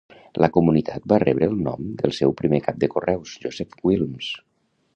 La comunitat va rebre el nom del seu primer cap de correus, Joseph Wilmes.